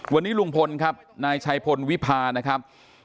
วันนี้ลุงพลครับนายชัยพลวิพานะครับ